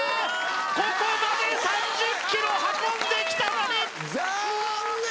ここまで３０ｋｇ運んできたのに残念！